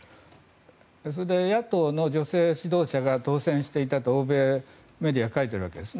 それで野党の女性指導者が当選していたと欧米メディアは書いているわけです。